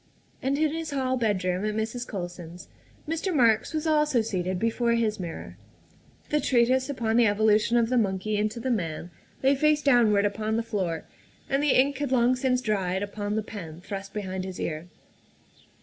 And in his hall bedroom at Mrs. Colson's Mr. Marks was also seated before his mirror. The treatise upon the evolution of the monkey into the man lay face down ward upon the floor, and the ink had long since dried upon the pen thrust behind his ear.